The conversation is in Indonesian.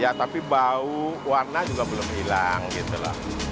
ya tapi bau warna juga belum hilang gitu loh